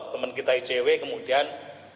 teman kita icw kemudian